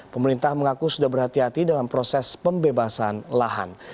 pemerintah mengaku sudah berhati hati dalam proses pembebasan lahan